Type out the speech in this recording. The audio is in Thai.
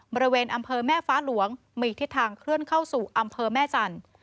บริเวณอำเภอแม่ฟ้าหลวงมีทิศทางเคลื่อนเข้าสู่อำเภอแม่จันทร์